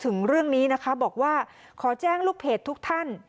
ถึงเรื่องนี้นะคะบอกว่าขอแจ้งลูกเพจทุกท่าน